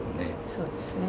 そうですね。